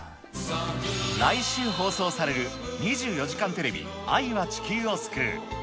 来週放送される２４時間テレビ愛は地球を救う。